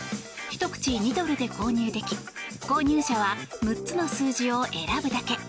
１口２ドルで購入でき購入者は６つの数字を選ぶだけ。